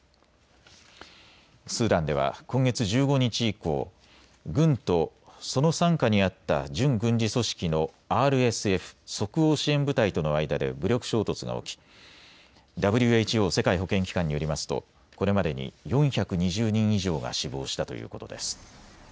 スーダンでは今月１５日以降、軍とその傘下にあった準軍事組織のＲＳＦ・即応支援部隊との間で武力衝突が起きＷＨＯ・世界保健機関によりますとこれまでに４２０人以上が死亡したということです。